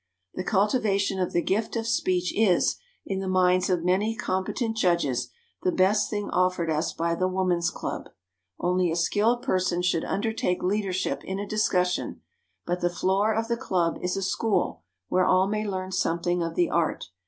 The cultivation of the gift of speech is, in the minds of many competent judges, the best thing offered us by the woman's club. Only a skilled person should undertake leadership in a discussion, but the floor of the club is a school where all may learn something of the art.